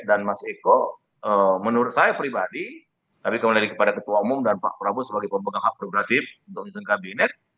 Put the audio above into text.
dan mas eko menurut saya pribadi tapi kemudian kepada ketua umum dan pak prabowo sebagai pemegang hafidhul ghajib untuk misi kabinet